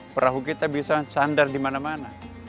perahu kita bisa sandar dimana mana